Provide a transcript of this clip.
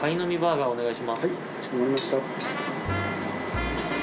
はいかしこまりました。